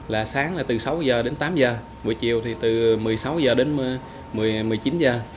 là sáng là từ sáu giờ đến tám giờ buổi chiều thì từ một mươi sáu giờ đến một mươi chín giờ